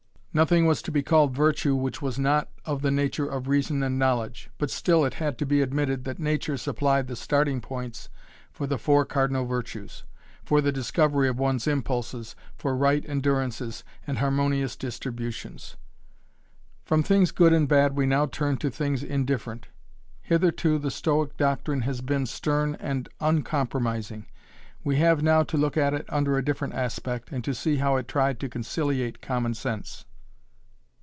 Nothing was to be called virtue which was not of the nature of reason and knowledge, but still it had to be admitted that nature supplied the starting points for the four cardinal virtues for the discovery of one's impulses, for right endurances and harmonious distributions. From things good and bad we now turn to things indifferent. Hitherto the Stoic doctrine has been stern and uncompromising. We have now to look at it under a different aspect, and to see how it tried to conciliate common sense.